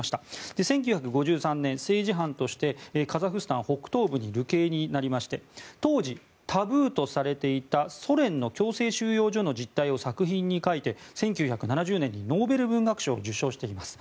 １９５３年、政治犯としてカザフスタン北東部に流刑になりまして当時、タブーとされていたソ連の強制収容所の実態を作品に書いて１９７０年のノーベル文学賞を受賞しています。